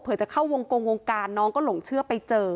เพื่อจะเข้าวงกงวงการน้องก็หลงเชื่อไปเจอ